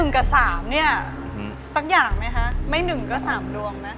๑กับ๓สักอย่างมั้ยคะไม่๑กับ๓ดวงนะ